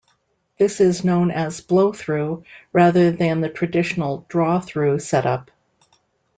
This is known as Blow-through rather than the traditional Draw-through set up.